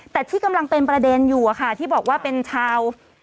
แต่ที่กำลังเป็นประเด็นอยู่ที่บอกว่าเป็นชาว